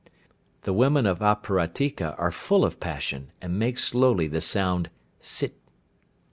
The women of Aparatika are full of passion, and make slowly the sound "Sit."